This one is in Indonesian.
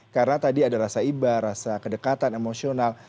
karena tadi ada rasa ibar rasa kedekatan emosional